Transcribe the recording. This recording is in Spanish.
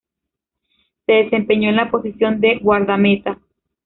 Se desempeñó en la posición de guardameta.